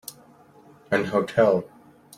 An hotel.